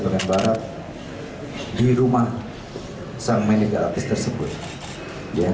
pengembaraan di rumah sang manajer artis tersebut ya